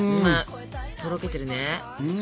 とろけてるね。